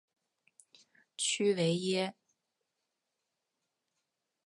屈维耶。